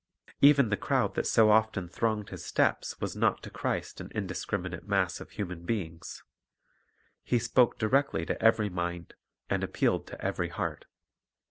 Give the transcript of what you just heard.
Even the crowd that so often thronged His steps was not to Christ an indiscriminate mass of human beings. He spoke directly to every mind and appealed to every heart.